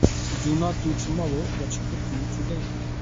Do not do tomorrow what you could do today.